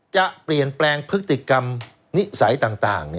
จะเปลี่ยนแปลงชนิสัยต่าง